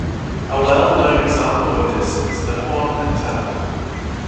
A well-known example of this is the horn antenna.